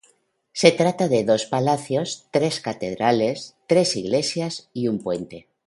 Se trata de dos palacios, tres catedrales, tres iglesias y un puente.